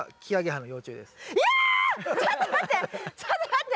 ちょっと待って。